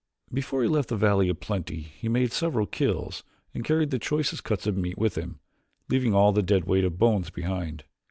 Before he left the valley of plenty he made several kills and carried the choicest cuts of meat with him, leaving all the dead weight of bones behind.